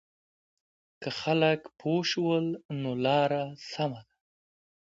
که خلک پوه شول نو لاره سمه ده.